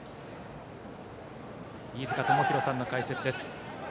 飯塚智広さんの解説です。